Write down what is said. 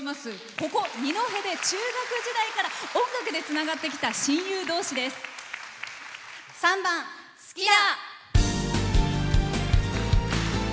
ここ二戸で、中学時代から音楽でつながってきた３番「好きだ。」。